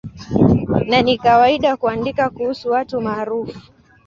Na ni kawaida kuandika kuhusu watu maarufu.